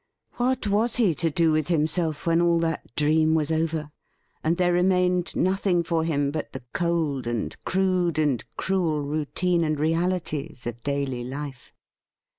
What was he to do with him self when all that dream was over, and there remained nothing for him but the cold and crude and cruel routine and realities of daily life